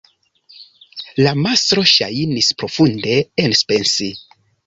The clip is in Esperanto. La mastro ŝajnis profunde enpensi.